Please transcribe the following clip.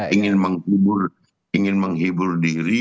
ingin menghibur ingin menghibur diri